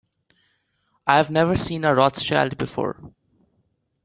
I have never seen a Rothschild before.